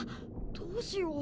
どうしよう。